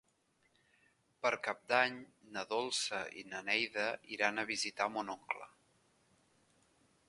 Per Cap d'Any na Dolça i na Neida iran a visitar mon oncle.